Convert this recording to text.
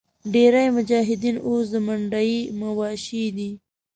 ډېری مجاهدین اوس د منډیي مواشي دي.